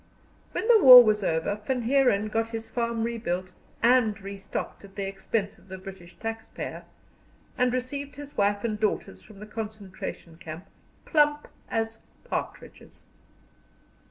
When the war was over Van Heeren got his farm rebuilt and restocked at the expense of the British taxpayer, and received his wife and daughters from the concentration camp, plump as partridges.